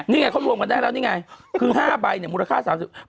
นี่ไงเค้าร่วมกันได้แล้วครึ่ง๕ใบมูลค่า๓๐ล้านบาท